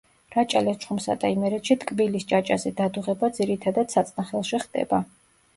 რაჭა-ლეჩხუმსა და იმერეთში ტკბილის ჭაჭაზე დადუღება ძირითადად საწნახელში ხდება.